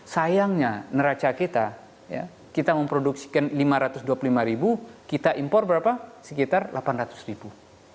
sayangnya neraca kita kita memproduksikan lima ratus dua puluh lima ribu kita impor berapa sekitar delapan ratus ribu